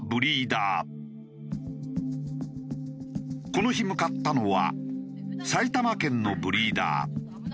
この日向かったのは埼玉県のブリーダー。